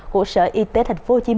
của sở y tế tp hcm